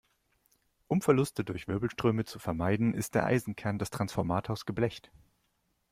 Um Verluste durch Wirbelströme zu vermeiden, ist der Eisenkern des Transformators geblecht.